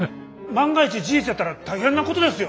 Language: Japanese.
万が一事実やったら大変なことですよ？